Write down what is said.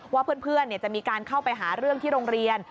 ว่าเพื่อนจะมีการเข้าไปหาเรื่องที่โรงเรียน